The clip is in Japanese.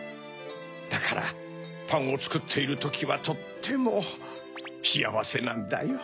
だからパンをつくっているときはとってもしあわせなんだよ。